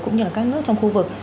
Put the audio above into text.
cũng như là các nước trong khu vực